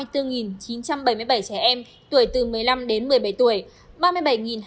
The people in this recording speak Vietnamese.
chín trăm bảy mươi bảy trẻ em tuổi từ một mươi năm đến một mươi bảy tuổi